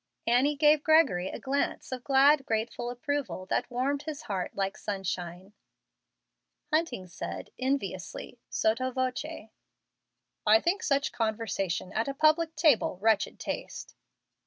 Annie gave Gregory a glance of glad, grateful approval that warmed his heart like sunshine. Hunting said, enviously, sotto voce, "I think such conversation at a public table wretched taste."